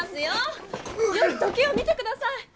よく時計を見てください！